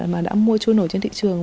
mà đã mua trôi nổi trên thị trường